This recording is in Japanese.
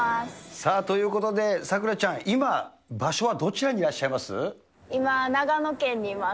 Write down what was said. さあ、ということで、さくらちゃん、今、場所はどちらにいらっしゃいます？